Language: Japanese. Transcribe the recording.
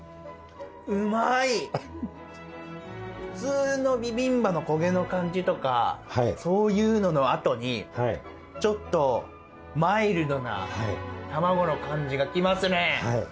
普通のビビンバの焦げの感じとかそういうのの後にちょっとマイルドな卵の感じが来ますね。